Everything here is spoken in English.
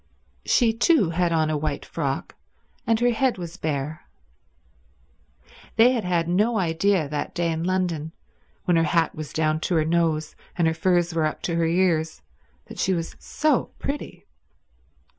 She too had on a white frock, and her head was bare. They had had no idea that day in London, when her hat was down to her nose and her furs were up to her ears, that she was so pretty.